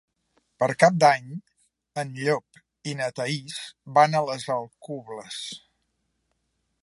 Per Cap d'Any en Llop i na Thaís van a les Alcubles.